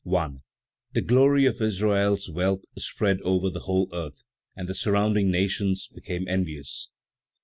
The glory of Israel's wealth spread over the whole earth, and the surrounding nations became envious.